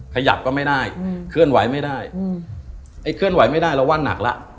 ขยับก็ไม่ได้เคลื่อนไหวไม่ได้ไอ้เคลื่อนไหวไม่ได้เราว่างหนักแล้ว